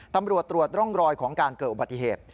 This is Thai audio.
ตำรวจตรวจร่องรอยของการเกิดอุบัติเหตุ